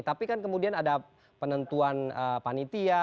tapi kan kemudian ada penentuan panitia